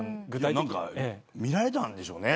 いや何か見られたんでしょうね